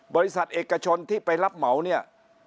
บริษัทเอกชนที่ไปรับเหมาเนี่ย